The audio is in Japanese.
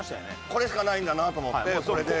これしかないんだなと思ってこれで。